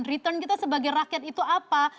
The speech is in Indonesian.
return kita sebagai rakyat itu apa